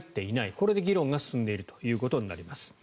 これで議論が進んでいることになります。